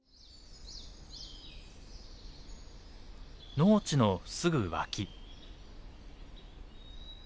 農地のすぐ脇。